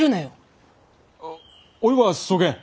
おいはそげん。